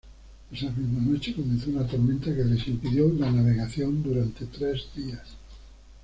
Esa misma noche comenzó una tormenta que les impidió la navegación durante tres días.